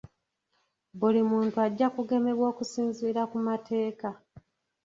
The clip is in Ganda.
Buli muntu ajja kugemebwa okusinziira ku mateeka.